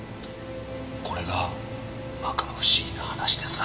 これが摩訶不思議な話でさ。